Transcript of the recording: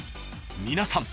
皆さん。